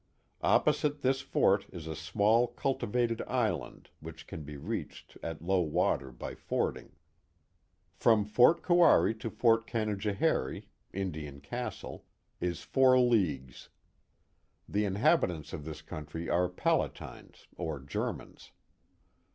Opposite this fort is a small cultivated island which can be reached at low water by fording. From Fort Kouari to Fort Canajoharie (Indian Castle) is four leagues. The inhabitants of this country are Palatines or Germans.